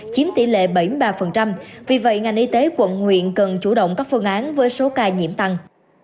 chiếm tỷ lệ bảy mươi ba vì vậy ngành y tế quận nguyện cần chủ động các phương án với số ca nhiễm tăng